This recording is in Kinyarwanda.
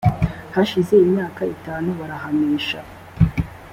hashize imyaka itatu barahanesha